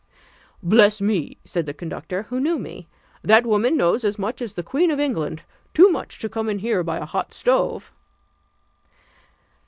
"Bless me!" said the conductor, who knew me, "that woman knows as much as the Queen of England; too much to come in here by a hot stove."